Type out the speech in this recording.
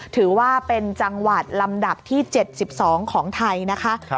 ถือว่าเป็นจังหวัดลำดับที่๗๒ของไทยนะคะ